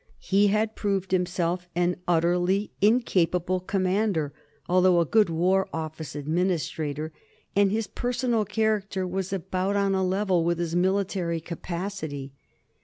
He had proved himself an utterly incapable commander, although a good War Office administrator, and his personal character was about on a level with his military capacity.